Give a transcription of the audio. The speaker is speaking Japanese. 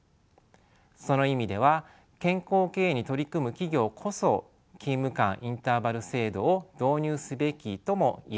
その意味では健康経営に取り組む企業こそ勤務間インターバル制度を導入すべきとも言えるでしょう。